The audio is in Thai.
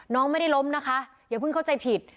น้องไม่ได้ล้มนะคะอย่าเพิ่งเข้าใจผิด